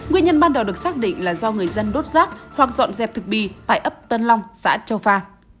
nguyên nhân ban đầu được xác định là do người dân đốt rác hoặc dọn dẹp thực bi tại ấp tân long xã châu pha